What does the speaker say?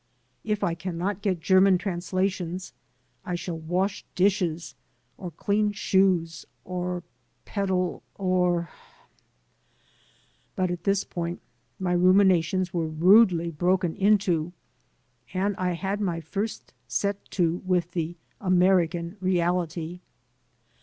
If I cannot get German translations I shall wash dishes or clean shoes or peddle or — But at this point my ruminations were rudely broken into, and I had my first set to with the American reality.